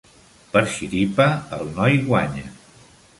Per xiripa, el noi guanya.